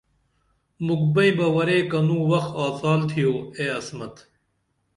مُکھ بئیں بہ ورے کنوں وخ آڅال تھیو اے عصمت